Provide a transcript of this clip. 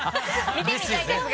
見てみたいですが。